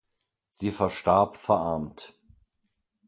Sie verstarb verarmt.